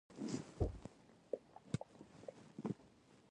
ازادي راډیو د اطلاعاتی تکنالوژي په اړه د خلکو وړاندیزونه ترتیب کړي.